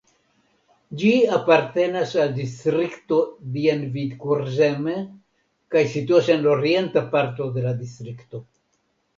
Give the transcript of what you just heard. Ĝi apartenas al distrikto Dienvidkurzeme kaj situas en orienta parto de la distrikto.